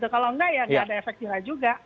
kalau enggak ya nggak ada efek jerah juga